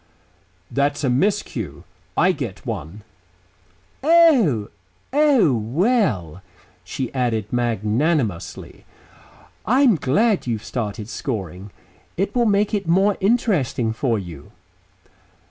"That's a miscue. I get one." "Oh!... Oh, well," she added magnanimously, "I'm glad you've started scoring. It will make it more interesting for you."